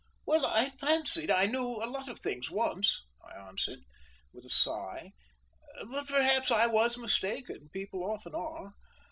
"Well, I fancied I knew a lot of things once," I answered, with a sigh. "But perhaps I was mistaken people often are.